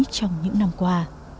trong những năm qua